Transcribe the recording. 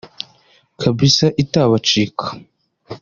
kabisa itabacika